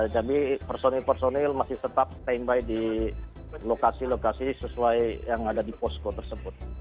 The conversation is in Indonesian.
jadi personil personil masih tetap standby di lokasi lokasi sesuai yang ada di posko tersebut